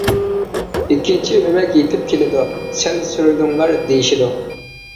ئىككىنچى ئۆمەك يېتىپ كېلىدۇ، «سەل سۈرۈلۈڭلار» دېيىشىدۇ.